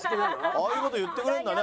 ああいう事言ってくれるんだね